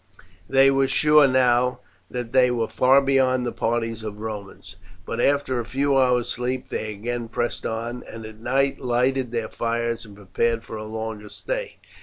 They were sure now that they were far beyond the parties of Romans, but after a few hours' sleep they again pressed on, and at night lighted their fires and prepared for a longer stay.